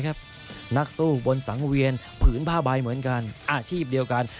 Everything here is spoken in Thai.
นักสู้บนสังเวียนผืนผ้าใบเหมือนกันอาชีพเดียวกัน